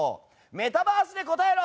メタバースで答えろ！！